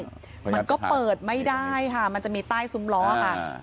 มันก็เปิดไม่ได้ค่ะมันจะมีใต้ซุ้มล้อค่ะ